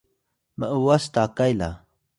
m’was takay la